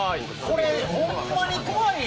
これホンマに怖い。